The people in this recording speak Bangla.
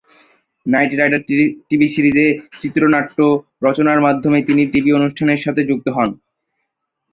নাইট রাইডার টিভি সিরিজে চিত্রনাট্য রচনার মাধ্যমে তিনি টিভি অনুষ্ঠানের সাথে যুক্ত হন।